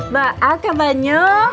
baik mbak isah